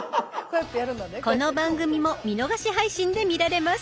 この番組も見逃し配信で見られます。